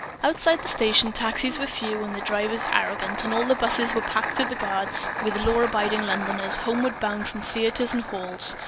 Outside the station taxis were few and drivers arrogant; and all the 'buses were packed to the guards with law abiding Londoners homeward bound from theatres and halls.